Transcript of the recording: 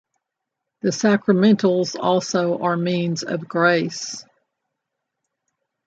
The sacramentals also are means of grace.